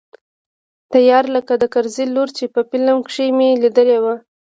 تيار لکه د کرزي لور چې په فلم کښې مې ليدلې وه.